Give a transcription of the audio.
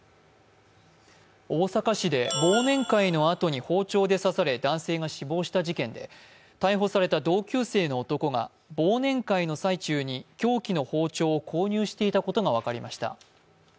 大阪市で忘年会のあとに包丁で刺され男性が死亡した事件で逮捕された同級生の男が凶器の包丁を購入していたことが分かりました。